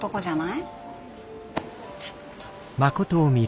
ちょっと。